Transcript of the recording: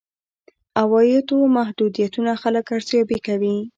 عوایدو محدودیتونه خلک ارزيابي کوي.